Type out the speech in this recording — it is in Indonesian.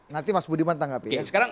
nanti mas budiman tanggapi